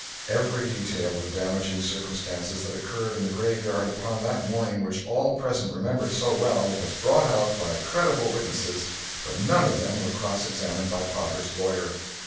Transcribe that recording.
Every detail of the damaging circumstances that occurred in the graveyard upon that morning which all present remembered so well was brought out by credible witnesses, but none of them were cross examined by Potter's lawyer.